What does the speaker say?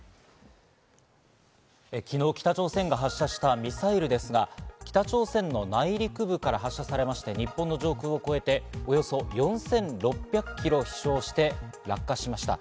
昨日、北朝鮮が発射したミサイルですが、北朝鮮の内陸部から発射されまして、日本の上空を越えて、およそ４６００キロ飛翔して落下しました。